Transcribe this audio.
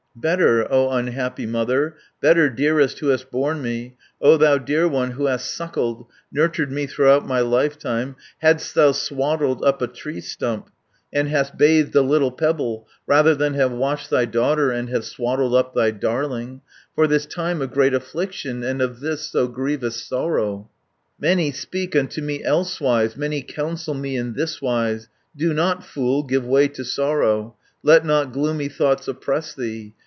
"Better, O unhappy mother, Better, dearest who hast borne me. O thou dear one, who hast suckled, Nurtured me throughout my lifetime, Hadst thou swaddled up a tree stump, And hadst bathed a little pebble, Rather than have washed thy daughter, And have swaddled up thy darling, 430 For this time of great affliction, And of this so grievous sorrow. "Many speak unto me elsewise, Many counsel me in thiswise: 'Do not, fool, give way to sorrow, Let not gloomy thoughts oppress thee.'